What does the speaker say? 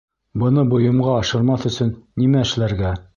Быны бойомға ашырмаҫ өсөн нимә эшләргә?